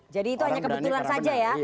jadi itu hanya kebetulan saja ya